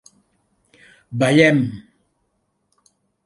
Ballem.